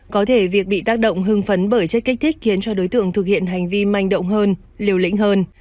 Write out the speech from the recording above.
có thể việc bị tác động hưng phấn bởi chất kích thích khiến cho đối tượng thực hiện hành vi manh động hơn liều lĩnh hơn